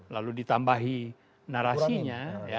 lalu ditambahi narasinya